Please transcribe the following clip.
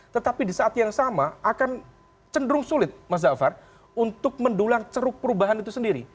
tetapi di saat yang sama akan cenderung sulit mas jafar untuk mendulang ceruk perubahan itu sendiri